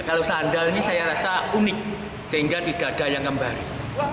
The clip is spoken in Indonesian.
kalau sandal ini saya rasa unik sehingga tidak ada yang kembali